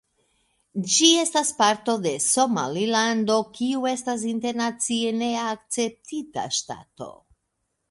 Ĝi estas parto de Somalilando, kiu estas internacie ne akceptita ŝtato.